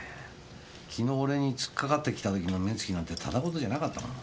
昨日俺に突っかかってきた時の目つきなんてただ事じゃなかったもん。